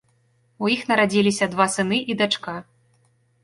У іх нарадзіліся два сыны і дачка.